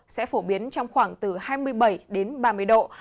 sẽ phổ biến trong khoảng từ hai mươi bảy đến ba mươi độ